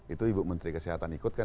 itu ibu menteri kesehatan ikutkan